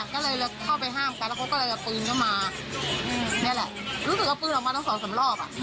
แต่เราก็ไปกินประจำน่ารักค่ะ